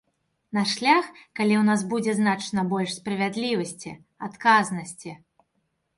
На шлях, калі ў нас будзе значна больш справядлівасці, адказнасці.